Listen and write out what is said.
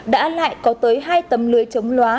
đã lại có tới hai tấm lưới chống lóa